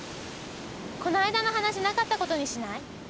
この間の話なかったことにしない？